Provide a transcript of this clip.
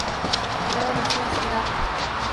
これはロシア式だ